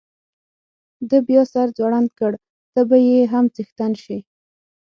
ده بیا سر ځوړند کړ، ته به یې هم څښتن شې.